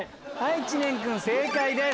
知念君正解です。